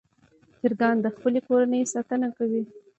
چرګان د خپلې کورنۍ ساتنه کوي.